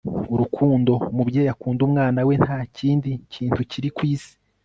urukundo umubyeyi akunda umwana we ntakindi kintu kiri kwisi